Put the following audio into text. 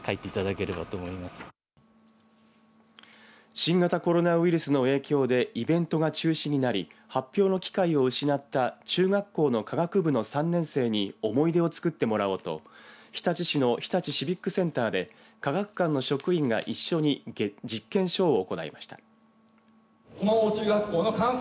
新型コロナウイルスの影響でイベントが中止になり発表の機会を失った中学校の科学部の３年生に思い出を作ってもらおうと日立市の日立シビックセンターで科学館の職員が一緒に実験ショーを行いました。